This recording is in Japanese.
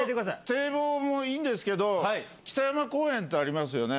堤防もいいんですけど、北山公園ってありますよね。